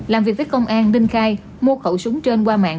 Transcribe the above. làm việc với công an đinh khai mua khẩu súng trên qua mạng